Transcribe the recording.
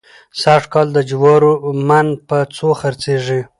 سږکال د جوارو من په څو خرڅېږي؟